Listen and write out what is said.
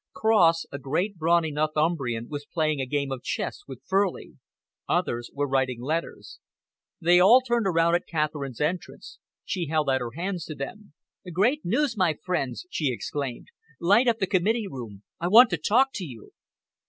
Cross, a great brawny Northumbrian, was playing a game of chess with Furley. Others were writing letters. They all turned around at Catherine's entrance. She held out her hands to them. "Great news, my friends!" she exclaimed. "Light up the committee room. I want to talk to you."